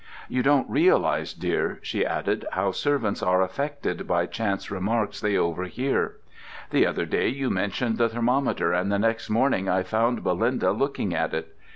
"You don't realize, dear," she added, "how servants are affected by chance remarks they overhear. The other day you mentioned the thermometer, and the next morning I found Belinda looking at it.